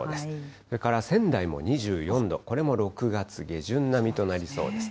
それから仙台も２４度、これも６月下旬並みとなりそうです。